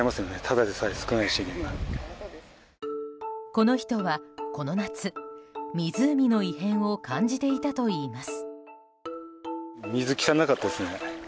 この人はこの夏、湖の異変を感じていたといいます。